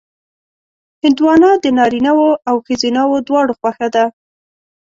هندوانه د نارینهوو او ښځینهوو دواړو خوښه ده.